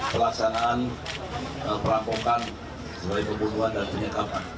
pelaksanaan perampokan sebagai pembunuhan dan penyekapan